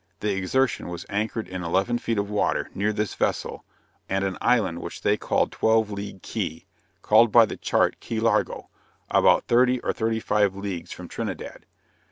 the Exertion was anchored in eleven feet water, near this vessel, and an island, which they called Twelve League Key (called by the chart Key Largo), about thirty or thirty five leagues from Trinidad.